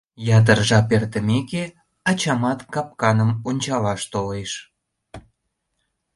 Ятыр жап эртымеке, ачамат капканым ончалаш толеш...